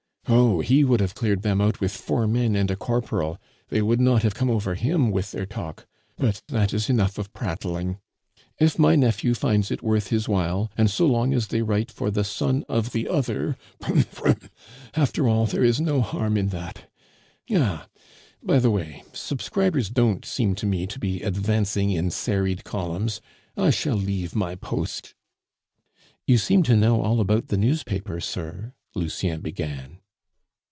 Oh! he would have cleared them out with four men and a corporal; they would not have come over him with their talk. But that is enough of prattling. If my nephew finds it worth his while, and so long as they write for the son of the Other (broum! broum!) after all, there is no harm in that. Ah! by the way, subscribers don't seem to me to be advancing in serried columns; I shall leave my post." "You seem to know all about the newspaper, sir," Lucien began.